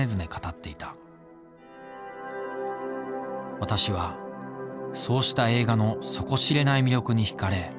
私はそうした映画の底知れない魅力に惹かれ